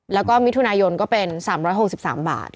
แล้วก็มิถุนายนก็เป็น๓๖๓บาท